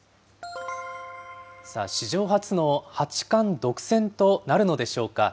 史上初の八冠独占となるのでしょうか。